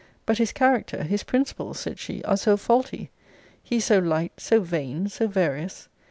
But his character, his principles, said she, are so faulty! He is so light, so vain, so various.